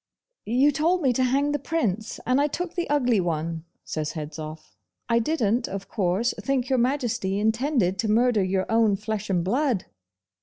'You told me to hang the Prince, and I took the ugly one,' says Hedzoff. 'I didn't, of course, think Your Majesty intended to murder your own flesh and blood!